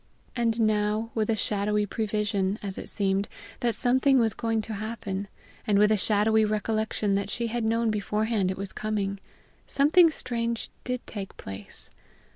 And now, with a shadowy prevision, as it seemed, that something was going to happen, and with a shadowy recollection that she had known beforehand it was coming, something strange did take place.